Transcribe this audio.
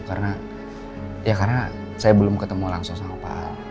karena ya karena saya belum ketemu langsung sama pak al